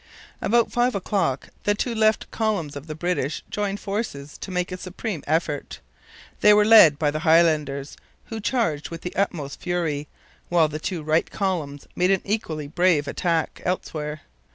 About five o'clock the two left columns of the British joined forces to make a supreme effort. They were led by the Highlanders, who charged with the utmost fury, while the two right columns made an equally brave attack elsewhere.